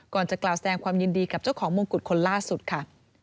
ก่อนจะกล่าวแสดงความยินดีกับเจ้าของมงกุฎคนล่าสุดค่ะ